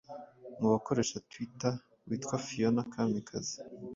mu bakoresha Twitter witwa Fiona Kamikazi,